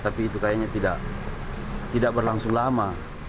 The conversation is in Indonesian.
tapi itu kayaknya tidak berlangsung lama